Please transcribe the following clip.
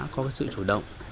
có sự chủ động